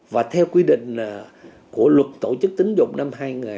và theo quy định của luật tổ chức tính dụng năm hai nghìn một mươi ba